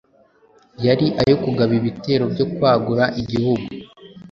yari ayo kugaba ibitero byo kwagura igihugu